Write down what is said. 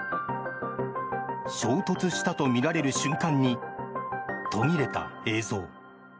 衝突したとみられる瞬間に途切れた映像。